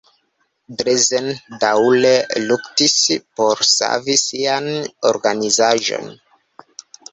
Drezen daŭre luktis por savi sian organizaĵon.